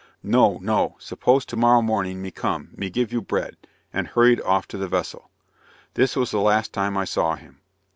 "No, no, suppose to morrow morning me come, me give you bread," and hurried off to the vessel. This was the last time I saw him.